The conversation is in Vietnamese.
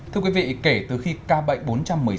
thưa quý vị kể từ khi ca bệnh bốn trăm một mươi sáu